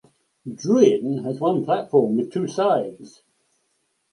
Drouin has one platform with two sides.